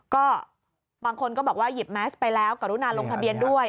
ก็บางคนก็บอกว่าหยิบแมสไปแล้วกรุณาลงทะเบียนด้วย